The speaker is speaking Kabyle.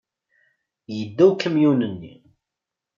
Yedda ukamyun-nni.